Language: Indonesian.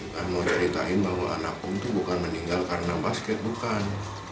kan mau ceritain bahwa anakku itu bukan meninggal karena basket bukan